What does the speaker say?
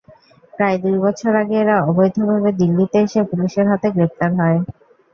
প্রায় দুই বছর আগে এরা অবৈধভাবে দিল্লিতে এসে পুলিশের হাতে গ্রেপ্তার হয়।